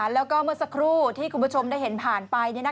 แล้วก็เมื่อสักครู่ที่คุณผู้ชมได้เห็นผ่านไป